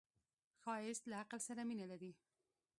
ښایست له عقل سره مینه لري